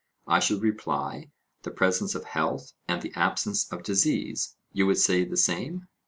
I should reply, the presence of health and the absence of disease. You would say the same?